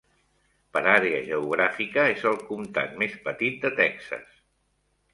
Per àrea geogràfica, és el comtat més petit de Texas.